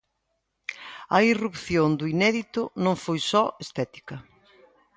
A irrupción do inédito non foi só estética.